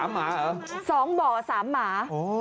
หมาเหรอ๒บ่อ๓หมา